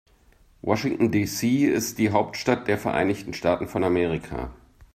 Washington, D.C. ist die Hauptstadt der Vereinigten Staaten von Amerika.